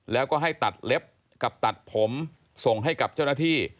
แล้วก็ให้ตัดเล็บกับตัดผมส่งให้กับเจ้าหน้าที่